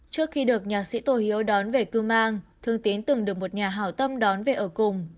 trước khi được nhạc sĩ tổ hiếu đón về cư mang thương tín từng được một nhà hào tâm đón về ở cùng